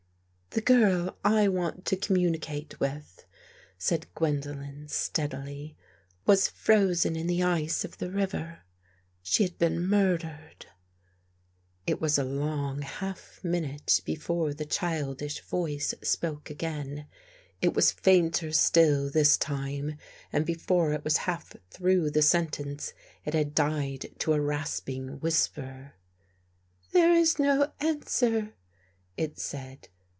" The girl I want to communicate with," said Gwendolen steadily, " was frozen in the ice of the river. She had been murdered." It was a long half minute before the childish voice spoke again. It was fainter still this time, and be fore it was half through the sentence, it had died into a rasping whisper. " There is no answer," it said.